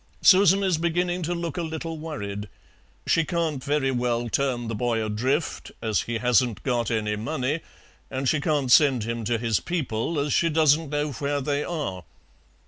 Susan is beginning to look a little worried. She can't very well turn the boy adrift, as he hasn't got any money, and she can't send him to his people as she doesn't know where they are.